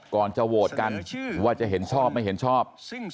ก่อนจะโหวตกันว่าจะเห็นชอบไม่เห็นชอบ